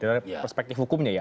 dari perspektif hukumnya ya